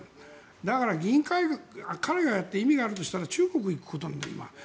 だから、彼がやって意味があるとしたら中国に行くことなんだ。